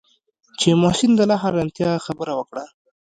چې محسن د لا حيرانتيا خبره وکړه.